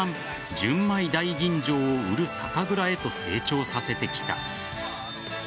純米大吟醸を売る酒蔵へと成長させてきた。